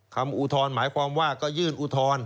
อุทธรณ์หมายความว่าก็ยื่นอุทธรณ์